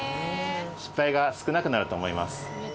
失敗が少なくなると思います。